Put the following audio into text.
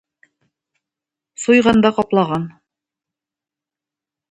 Суйган да каплаган.